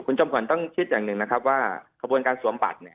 คุณจอมขวัญต้องคิดอย่างหนึ่งนะครับว่าขบวนการสวมบัตรเนี่ย